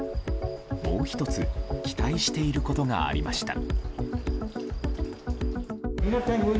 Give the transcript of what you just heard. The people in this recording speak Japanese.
もう１つ期待していることがありました。